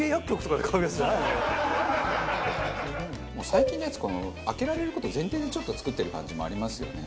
最近のやつこの開けられる事前提でちょっと作ってる感じもありますよね。